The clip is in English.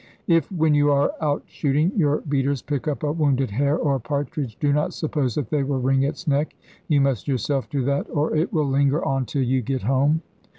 If, when you are out shooting, your beaters pick up a wounded hare or partridge, do not suppose that they wring its neck; you must yourself do that, or it will linger on till you get home.